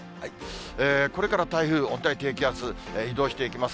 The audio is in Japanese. これから台風、温帯低気圧、移動していきます。